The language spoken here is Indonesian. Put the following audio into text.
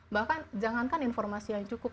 bahkan jangankan informasi yang cukup